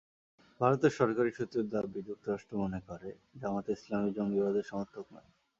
ভারতের সরকারি সূত্রের দাবি, যুক্তরাষ্ট্র মনে করে, জামায়াতে ইসলামী জঙ্গিবাদের সমর্থক নয়।